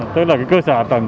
tức là cái cơ sở hạ tầng